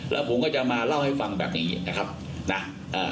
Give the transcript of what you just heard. แล้วผมก็จะมาเล่าให้ฟังแบบนี้นะครับนะเอ่อ